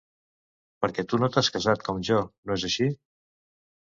Perquè tu no t'has casat, com jo, no és així?